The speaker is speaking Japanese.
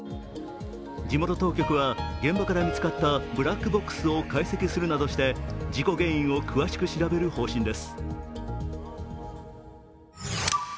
地元当局は、現場から見つかったブラックボックスを解析するなどして事故原因を詳しく調べる方針です。